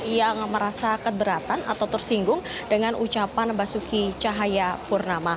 yang merasa keberatan atau tersinggung dengan ucapan zahbudin